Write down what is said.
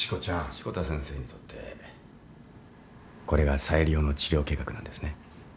志子田先生にとってこれが最良の治療計画なんですね？